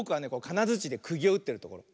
かなづちでくぎをうってるところ。